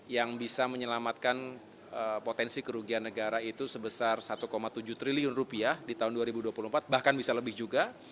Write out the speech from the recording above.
yang bisa menyelamatkan potensi kerugian negara itu sebesar satu tujuh triliun rupiah di tahun dua ribu dua puluh empat bahkan bisa lebih juga